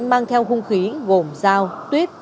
mang theo hung khí gồm dao tuyết